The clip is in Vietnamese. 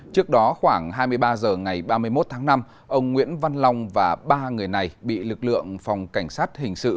trước đó khoảng hai mươi ba h ngày ba mươi một tháng năm ông nguyễn văn long và ba người này bị lực lượng phòng cảnh sát hình sự